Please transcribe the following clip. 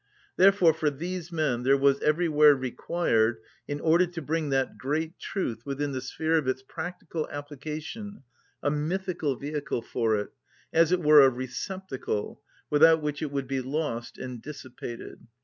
Therefore for these men there was everywhere required, in order to bring that great truth within the sphere of its practical application, a mythical vehicle for it, as it were a receptacle, without which it would be lost and dissipated.